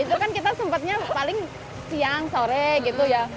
itu kan kita sempatnya paling siang sore gitu ya